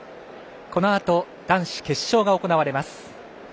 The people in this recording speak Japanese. このあと、男子決勝が行われます。